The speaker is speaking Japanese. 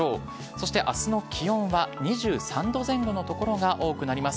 そしてあすの気温は２３度前後の所が多くなります。